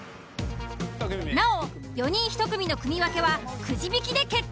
なお４人１組の組分けはくじ引きで決定。